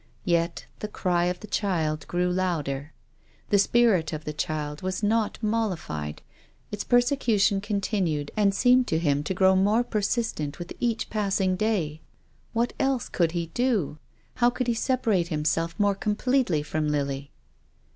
Yet the cry of the child grew louder. The spirit of the child was not mollified. Its perse cution continued and seemed to him to grow more persistent with each passing day. What else could he do ? How could he sepa rate himself more completely from Lily?